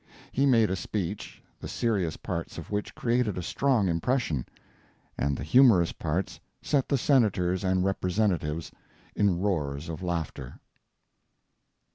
He made a speech, the serious parts of which created a strong impression, and the humorous parts set the Senators and Representatives in roars of laughter.